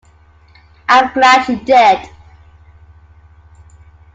I'm glad you did.